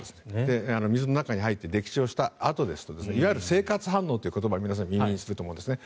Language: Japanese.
水の中に入って溺死をしたあとですといわゆる生活反応という言葉皆さん耳にすると思うんですね。